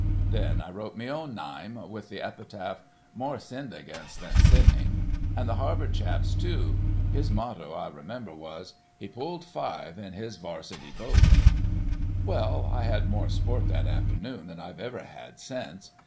Then I wrote me own nyme, with the epitaph, 'More Sinned Against Than Sinning;' and the Harvard chap's too. His motto, I remember, was 'He Pulled 5 in His 'Varsity's Boat.' "Well, I had more sport that afternoon than I've ever had since.